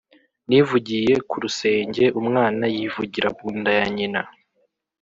nivugiye ku rusenge umwana yivugira mu nda ya nyina